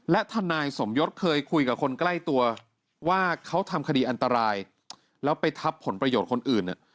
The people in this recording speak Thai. และทนายสมยศเคยคุยกับคนใกล้ตัวว่าเขาทำคดีอันตรายแล้วไปทับผลประโยชน์คนอื่นเนี่ย